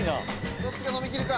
どっちが飲み切るか？